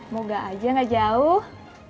moga aja gak jauh